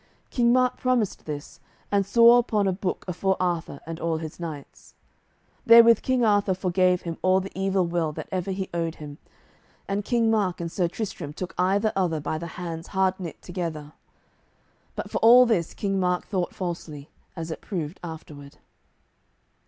King Mark promised this, and swore upon a book afore Arthur and all his knights. Therewith King Arthur forgave him all the evil will that ever he owed him, and King Mark and Sir Tristram took either other by the hands hard knit together. But for all this King Mark thought falsely, as it proved afterward.